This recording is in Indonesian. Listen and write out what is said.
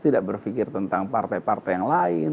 tidak berpikir tentang partai partai yang lain